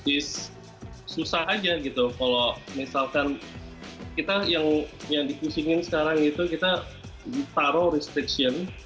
itu susah aja gitu kalau misalkan kita yang dikusingin sekarang itu kita taruh restriction